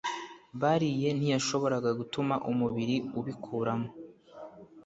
bariye ntiyashoboraga gutuma umubiri ubikuramo